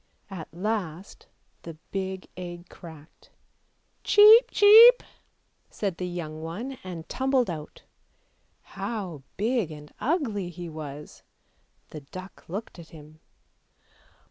At last the big egg cracked. "Cheep, cheep!" said the young one and tumbled out; how big and ugly he was! The duck looked at him.